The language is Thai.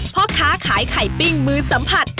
พ่อค้าขายไข่ปิ้งมือสัมผัส